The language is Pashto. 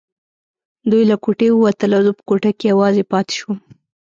دوی له کوټې ووتل او زه په کوټه کې یوازې پاتې شوم.